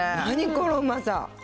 このうまさ。